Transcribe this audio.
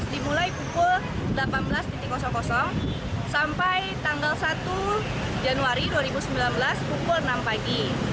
dimulai pukul delapan belas sampai tanggal satu januari dua ribu sembilan belas pukul enam pagi